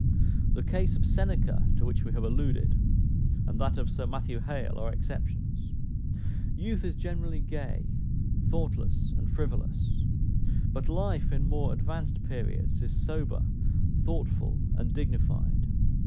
The case of Seneca (to which we have alluded,) and that of Sir Matthew Hale, are exceptions. Youth is generally gay, thoughtless, and frivolous; but life, in more advanced periods, is sober, thoughtful, and dignified.